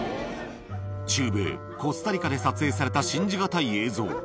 中米コスタリカで撮影された信じがたい映像。